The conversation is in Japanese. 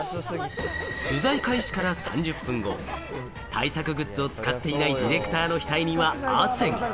取材開始から３０分後、対策グッズを使っていないディレクターの額には汗が。